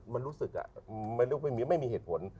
มันรู้สึกไม่มีเหตุผล